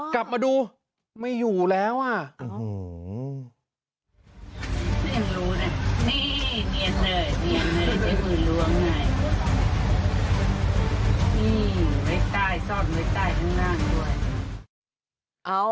กลับมาดูไม่อยู่แล้วอ่ะ